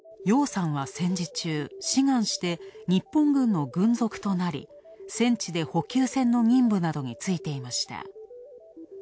楊さんは戦時中、志願して、日本軍の軍属となり、戦地で補給戦の任務などに就いていました。